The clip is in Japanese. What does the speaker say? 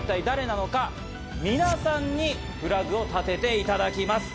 皆さんにフラグを立てていただきます。